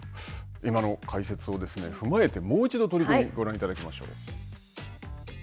今の解説を踏まえてもう一度、取組をご覧いただきましょう。